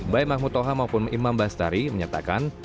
baik mahmud toha maupun imam bastari menyatakan